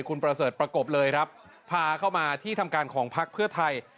คุณประเสริฐประกบเลยครับพาเข้ามาที่ทำการของพักเพื่อไทย